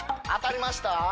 当たりました？